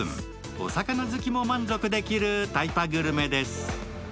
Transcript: お魚好きも満足できるタイパグルメです。